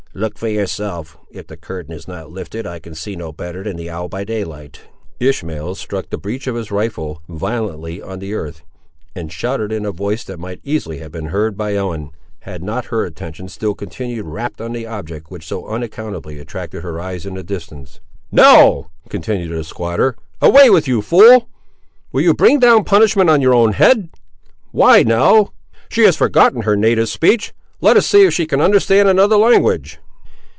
"Look for yourself! if the curtain is not lifted, I can see no better than the owl by daylight." Ishmael struck the breach of his rifle violently on the earth, and shouted in a voice that might easily have been heard by Ellen, had not her attention still continued rapt on the object which so unaccountably attracted her eyes in the distance. "Nell!" continued the squatter, "away with you, fool! will you bring down punishment on your own head? Why, Nell!—she has forgotten her native speech; let us see if she can understand another language."